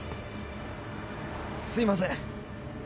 すみません！